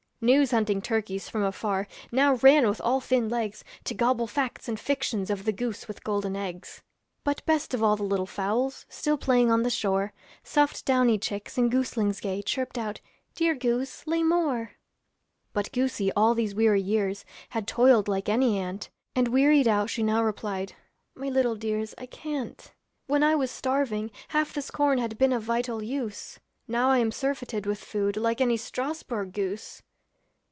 News hunting turkeys from afar Now ran with all thin legs To gobble facts and fictions of The goose with golden eggs. But best of all the little fowls Still playing on the shore, Soft downy chicks and goslings gay, Chirped out, 'Dear Goose, lay more.' But goosey all these weary years Had toiled like any ant, And wearied out she now replied, 'My little dears, I can't. 'When I was starving, half this corn Had been of vital use, Now I am surfeited with food Like any Strasbourg goose.'